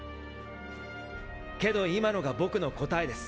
けど今のが僕の答えです。